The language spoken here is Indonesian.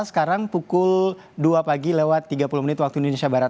sekarang pukul dua pagi lewat tiga puluh menit waktu indonesia barat